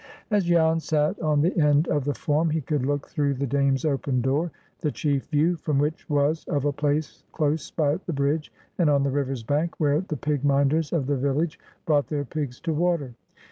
As Jan sat on the end of the form, he could look through the Dame's open door, the chief view from which was of a place close by the bridge, and on the river's bank, where the pig minders of the village brought their pigs to water.